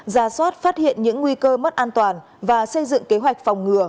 ra soát phát hiện những nguy cơ mất an toàn và xây dựng kế hoạch phòng ngừa